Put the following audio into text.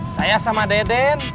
saya sama deden